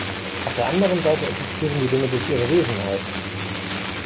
Auf der anderen Seite existieren die Dinge durch ihre Wesenheit.